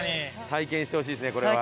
体験してほしいですねこれは。